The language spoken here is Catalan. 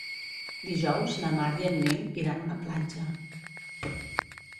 Dijous na Mar i en Nil iran a la platja.